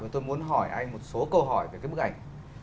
tôi muốn hỏi anh một số câu hỏi về cái bức ảnh